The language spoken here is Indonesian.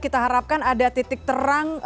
kita harapkan ada titik terang